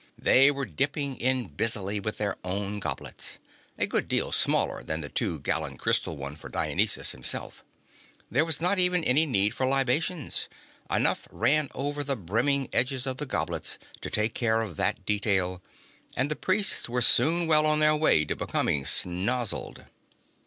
They were dipping in busily with their own goblets a good deal smaller than the two gallon crystal one for Dionysus himself. There was not even any need for libations; enough ran over the brimming edges of the goblets to take care of that detail, and the Priests were soon well on the way to becoming sozzled.